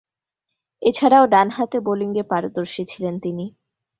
এছাড়াও, ডানহাতে বোলিংয়ে পারদর্শী ছিলেন তিনি।